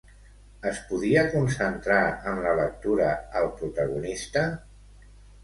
Es podia concentrar en la lectura el protagonista?